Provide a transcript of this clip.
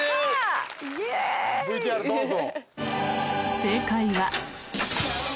ＶＴＲどうぞ。